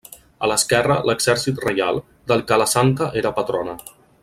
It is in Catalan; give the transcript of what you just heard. A l'esquerra l'Exèrcit Reial, del que la santa era patrona.